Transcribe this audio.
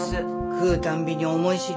食うたんびに思い知りな。